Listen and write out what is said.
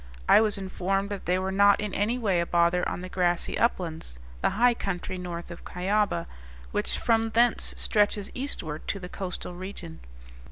I was informed that they were not in any way a bother on the grassy uplands, the high country north of Cuyaba, which from thence stretches eastward to the coastal region.